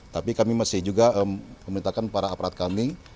tapi kami masih juga memintakan para aparat kami